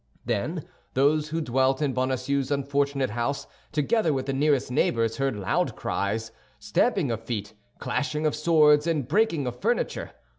Then those who dwelt in Bonacieux's unfortunate house, together with the nearest neighbors, heard loud cries, stamping of feet, clashing of swords, and breaking of furniture.